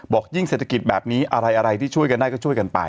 บอกยิ่งเศรษฐกิจแบบนี้อะไรที่ช่วยกันได้ก็ช่วยกันไป